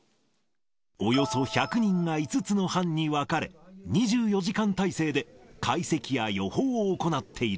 およそ１００人が５つの班に分かれ、２４時間態勢で解析や予報を行っている。